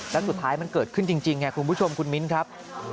แล้วสุดท้ายมันเกิดขึ้นจริงไงคุณผู้ชมคุณมิ้นครับ